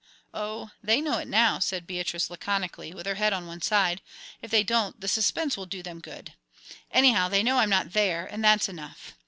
"Oh, they know it now," said Beatrice, laconically, with her head on one side. "If they don't, the suspense will do them good. Anyhow, they know I'm not there, and that's enough.